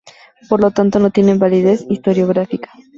Por lo tanto no tienen validez historiográfica.